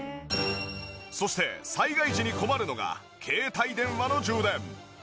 そして災害時に困るのが携帯電話の充電。